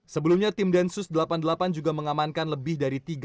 sebelumnya tim densus delapan puluh delapan juga mengamankan lebih dari tiga orang